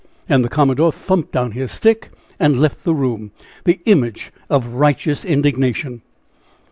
And the commodore thumped down his stick and left the room the image of righteous indignation.